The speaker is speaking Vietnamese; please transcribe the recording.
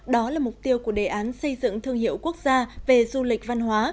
đó là mục tiêu của đề án xây dựng thương hiệu quốc gia về du lịch văn hóa